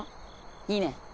いいね。